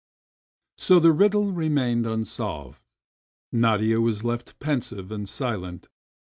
So the riddle remained unsolved ! Nadia was left pensive and silent.